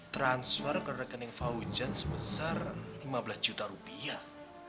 transfer ke rekening faugen sebesar lima belas juta rupiah